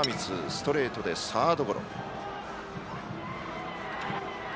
ストレートでサードゴロ。